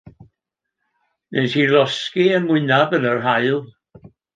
Wnes i losgi 'y ngwynab yn yr haul.